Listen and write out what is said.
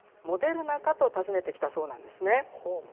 モデルナか？と尋ねてきたそうなんですね。